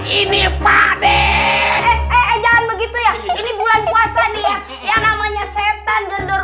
ini pade eh jangan begitu ya ini bulan puasa nih yang namanya setan gendur